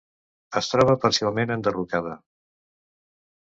Es troba parcialment enderrocada.